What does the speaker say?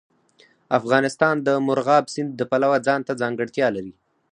افغانستان د مورغاب سیند د پلوه ځانته ځانګړتیا لري.